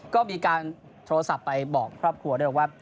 ก็มีการโทรศัพท์ไปบอกครอบครัวด้วยว่า